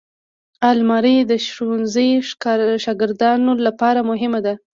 الماري د ښوونځي شاګردانو لپاره مهمه ده